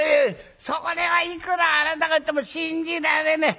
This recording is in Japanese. それはいくらあなたが言っても信じられない」。